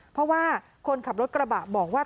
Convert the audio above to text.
เพราะว่าคนขับรถกระบะบอกว่า